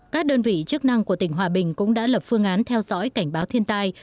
các đơn vị chức năng của tỉnh hòa bình cũng đã lập phương án theo dõi cảnh báo thiên tai